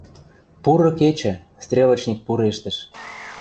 — Пуры кечӹ, — стрелочник пурештӹш.